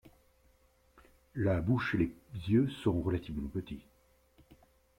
La bouche et les yeux sont relativement petits.